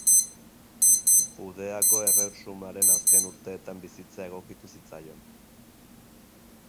Judeako erresumaren azken urteetan bizitzea egokitu zitzaion.